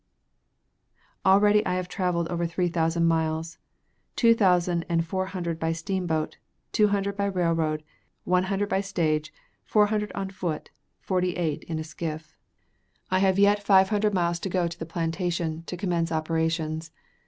Already I have traveled over three thousand miles. Two thousand and four hundred by steamboat, two hundred by railroad, one hundred by stage, four hundred on foot, forty eight in a skiff. I have yet five hundred miles to go to the plantation, to commence operations.